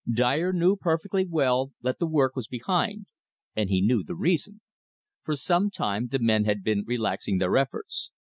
Dyer knew perfectly well that the work was behind, and he knew the reason. For some time the men had been relaxing their efforts.